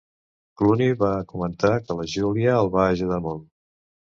Clooney va comentar que la Julia el va ajudar molt.